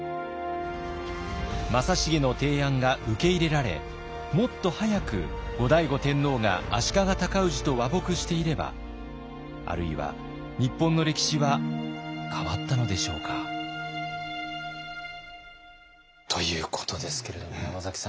正成の提案が受け入れられもっと早く後醍醐天皇が足利尊氏と和睦していればあるいは日本の歴史は変わったのでしょうか？ということですけれども山崎さん